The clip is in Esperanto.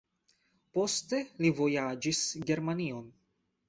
Poste li vojaĝis Germanion.